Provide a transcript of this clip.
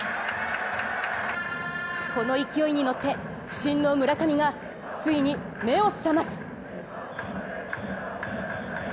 この勢いに乗って、不振の村上がついに目を覚ます。